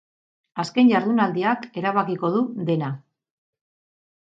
Azken jardunaldiak erabakiko du dena.